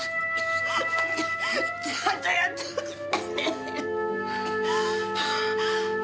ちゃんとやっておくれ！